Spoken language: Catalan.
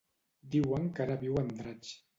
Diuen que ara viu a Andratx.